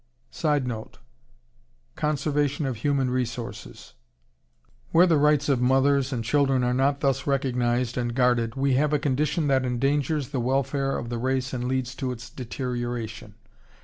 _ [Sidenote: Conservation of human resources.] Where the rights of mothers and children are not thus recognized and guarded, we have a condition that endangers the welfare of the race and leads to its deterioration.